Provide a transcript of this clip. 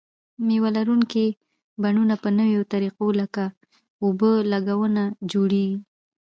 مېوه لرونکي بڼونه په نویو طریقو لکه اوبه لګونه جوړیږي.